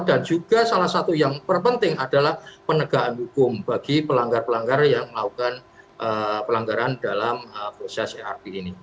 dan juga salah satu yang berpenting adalah penegaan hukum bagi pelanggar pelanggar yang melakukan pelanggaran dalam proses erp ini